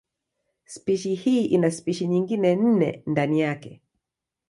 Spishi hii ina spishi nyingine nne ndani yake.